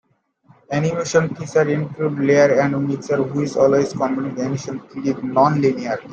Animation features include layers and a mixer, which allows combining animation clips non-linearly.